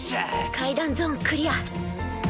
階段ゾーンクリア。